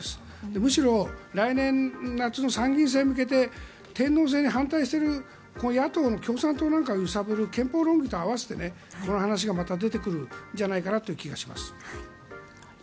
むしろ来年夏の参議院選に向けて天皇制に反対する野党の共産党なんかを揺さぶる憲法論議と合わせてこの話がまた出てくるんじゃないかなという気がします。